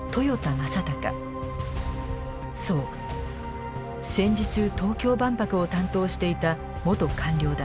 そう戦時中東京万博を担当していた元官僚だ。